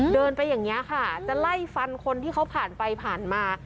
เดินไปอย่างนี้ค่ะจะไล่ฟันคนที่เขาผ่านไปผ่านมา